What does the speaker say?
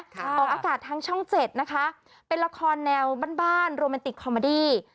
ออกอากาศทางช่องเจ็ดนะคะเป็นละครแนวบ้านบ้านโรแมนติกคอมเมอดี้